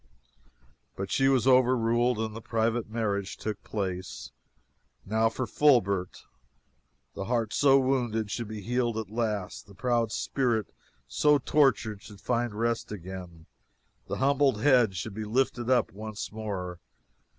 But she was overruled, and the private marriage took place. Now for Fulbert! The heart so wounded should be healed at last; the proud spirit so tortured should find rest again; the humbled head should be lifted up once more.